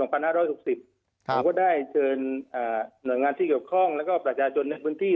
เราก็ได้เชิญหน่วยงานที่เกี่ยวข้องแล้วก็ประชาชนในพื้นที่